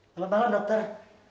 selamat malam dokter